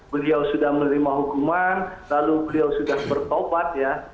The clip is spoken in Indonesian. beliau sudah menerima hukuman lalu beliau sudah bertobat ya